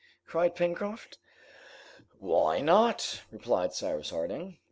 cried Pencroft. "Why not?" replied Cyrus Harding.